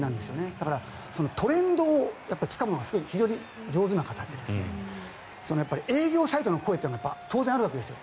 だから、トレンドをつかむのが非常に上手な方で営業サイドの声は当然あるわけです。